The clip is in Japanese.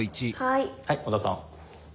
はい小田さん。